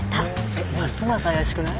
それますます怪しくない？